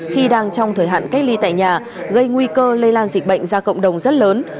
khi đang trong thời hạn cách ly tại nhà gây nguy cơ lây lan dịch bệnh ra cộng đồng rất lớn